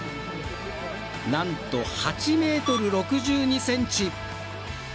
なんと８ｍ６２ｃｍ。